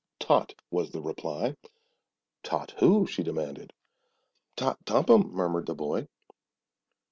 "Tot," was the low reply. "Tot who?" she demanded. "Tot Tompum," murmured the boy.